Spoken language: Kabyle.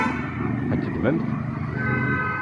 Ad t-teddmemt?